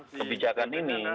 tapi kebijakan ini